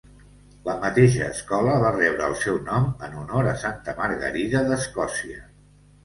La mateixa escola va rebre el seu nom en honor a Santa Margarida de Escòcia.